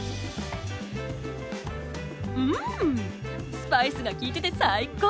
うんスパイスがきいてて最高！